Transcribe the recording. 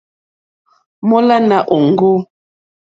Mólánà òŋɡô.